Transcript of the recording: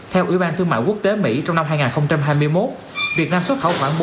theo ủy ban thương mại quốc tế mỹ trong năm hai nghìn hai mươi một việt nam xuất khẩu khoảng bốn mươi